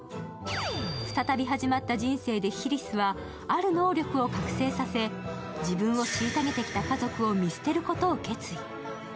再び始まった人生でヒリスはある能力を覚醒させ、自分を虐げてきた家族を見捨てることを決意。